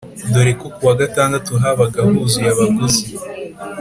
dore ko kuwa gatandatu habaga huzuye abaguzi